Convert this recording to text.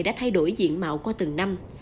đã thay đổi diện mạo qua từng năm